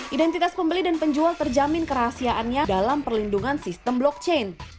identitas pembeli dan penjual terjamin kerahasiaannya dalam perlindungan sistem blockchain